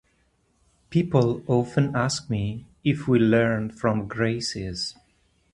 People often ask me if we learned from the Gracies.